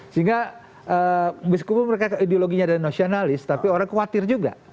sehingga meskipun mereka ideologinya adalah nasionalis tapi orang khawatir juga